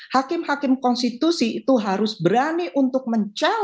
hakim hakim konstitusi itu harus berani untuk mencari